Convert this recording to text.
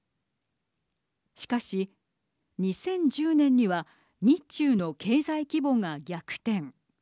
しかし、２０１０年には日中の経済規模が逆転。